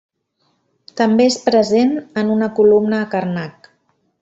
També és present en una columna a Karnak.